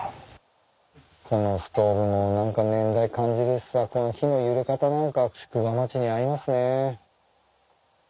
このストーブも何か年代感じるしさこの火の揺れ方なんか宿場町に合いますね。